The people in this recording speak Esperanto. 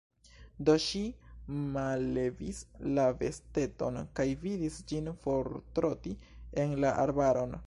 Do ŝi mallevis la besteton, kaj vidis ĝin fortroti en la arbaron.